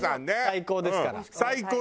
最高ですから。